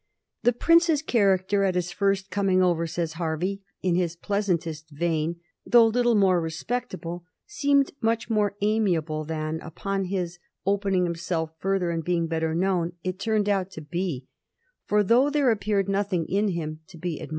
The prince's character at his first coming over, says Hervey in his pleasantest vein, though little more respect able, seemed much more amiable than, upon his opening himself further and being better known, it turned out to be; for, though there appeared nothing in him to be ad 40 A HISTORY OF THE FOUR GEORGES. ch. zzni.